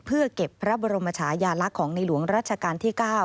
เพื่อเก็บพระบรมชายาลักษณ์ของในหลวงรัชกาลที่๙